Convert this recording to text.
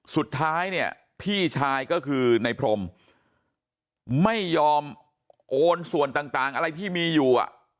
สุดท้ายเนี่ยพี่ชายก็คือในพรมไม่ยอมโอนส่วนต่างอะไรที่มีอยู่